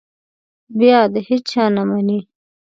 بیا د هېچا نه مني.